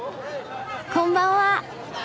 こんばんは。